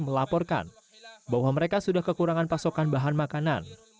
melaporkan bahwa mereka sudah kekurangan pasokan bahan makanan